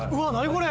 これ！